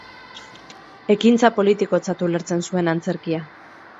Ekintza politikotzat ulertzen zuen antzerkia.